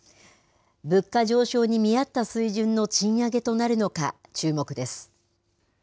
物価上昇に見合った水準の賃上げとなるのか、注目です。